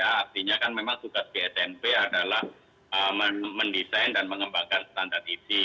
artinya kan memang tugas bsnp adalah mendesain dan mengembangkan standar isi